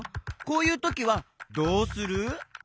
こういうときはどうする？